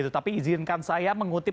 tapi izinkan saya mengutip